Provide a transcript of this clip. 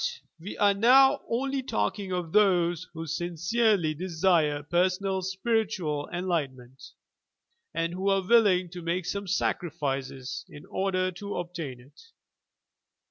But we are now only talking of those who sincerely desire personal spiritual enlightenment, and who are willing to make some sacrifices in order to obtain it.